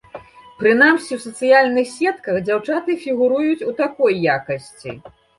Прынамсі, у сацыяльных сетках дзяўчаты фігуруюць у такой якасці.